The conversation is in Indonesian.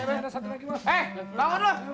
eh bangun lo